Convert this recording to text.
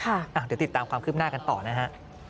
เดี๋ยวติดตามความคืบหน้ากันต่อนะฮะ